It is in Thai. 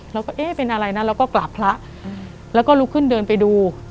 เราก็เอ๊ะเป็นอะไรนะเราก็กราบพระแล้วก็ลุกขึ้นเดินไปดู